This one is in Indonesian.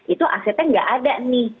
itu asetnya nggak ada nih